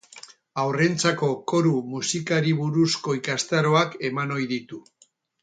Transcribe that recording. Haurrentzako koru musikari buruzko ikastaroak eman ohi ditu.